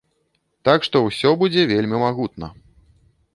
Так што, усё будзе вельмі магутна.